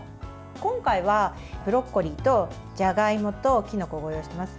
今回はブロッコリーとじゃがいもときのこをご用意しています。